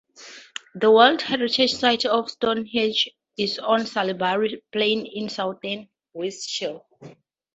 The World Heritage Site of Stonehenge is on Salisbury Plain in southern Wiltshire.